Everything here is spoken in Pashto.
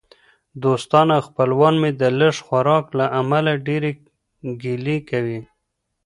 دوستان او خپلوان مې د لږ خوراک له امله ډېرې ګیلې کوي.